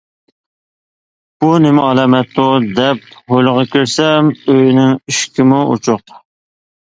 بۇ نېمە ئالامەتتۇ؟ دەپ ھويلىغا كىرسەم، ئۆينىڭ ئىشىكىمۇ ئوچۇق.